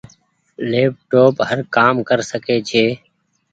ليپ ٽوپ هر ڪآ م ڪر ڪسي ڇي۔